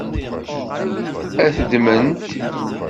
Ad t-ddment?